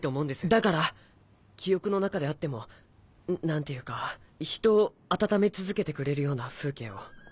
だから記憶の中であっても。何ていうか人を温め続けてくれるような風景を。